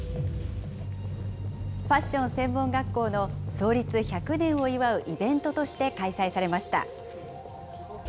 ファッション専門学校の創立１００年を祝うイベントとして開催されました。